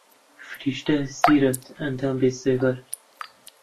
فریشتە سیرەت، ئەندام بێسێبەر